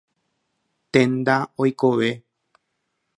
Tenda oikove.